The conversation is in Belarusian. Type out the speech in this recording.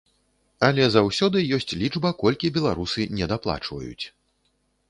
Але заўсёды ёсць лічба, колькі беларусы недаплачваюць.